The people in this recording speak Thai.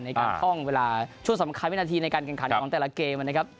ในการฮ่อยเวลาช่วงสำคัญพินาทีในการกันขาดของแต่ละเกมนะครับ